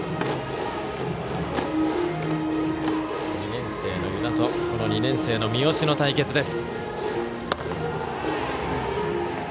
２年生の湯田と２年生の三好の対決です。